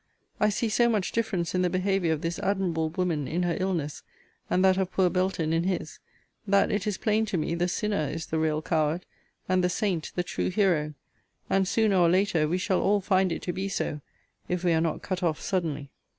I see so much difference in the behaviour of this admirable woman in her illness, and that of poor Belton in his, that it is plain to me the sinner is the real coward, and the saint the true hero; and, sooner or later, we shall all find it to be so, if we are not cut off suddenly.